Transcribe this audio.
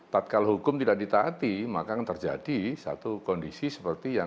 tapi kalau hukum tidak ditaati maka akan terjadi satu kondisi seperti yang